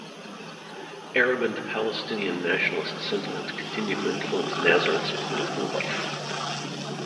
Arab and Palestinian nationalist sentiment continue to influence Nazareth's political life.